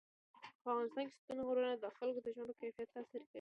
په افغانستان کې ستوني غرونه د خلکو د ژوند په کیفیت تاثیر کوي.